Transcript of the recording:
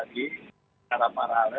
jadi bisa dalam perjalanannya